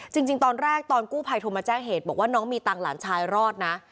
จริงตอนแรกตอนกู้ภัยโทรมาแจ้งเหตุบอกว่าน้องมีตังค์หลานชายรอดนะ